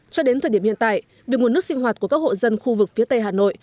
cho đến thời điểm hiện tại việc nguồn nước sinh hoạt của các hộ dân khu vực phía tây hà nội